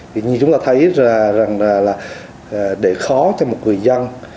vì như chúng ta thấy rằng là để khó cho một người dân